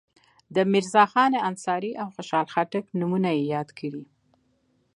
میرزاخان انصاري او خوشحال خټک نومونه یې یاد کړي.